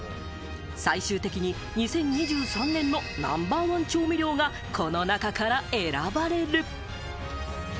最終的に２０２３年のナンバーワン調味料がこの中から選ばれる。